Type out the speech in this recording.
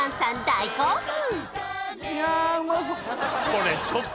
大興奮